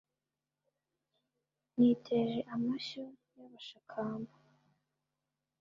Niteje amashyo y’abashakamba